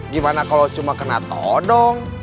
gimana kalau cuma kena todong